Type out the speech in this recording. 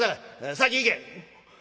先行け」。